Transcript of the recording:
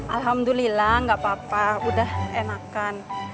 alhamdulillah nggak apa apa udah enakan